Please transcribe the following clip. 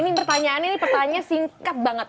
ini pertanyaannya ini pertanyaan singkat banget